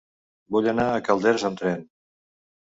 Vull anar a Calders amb tren.